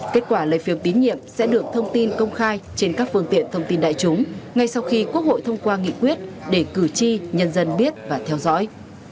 kết quả lấy phiếu tín nhiệm sẽ được thông tin công khai trên các phương tiện thông tin đại chúng ngay sau khi quốc hội thông qua nghị quyết để cử tri nhân dân biết và theo dõi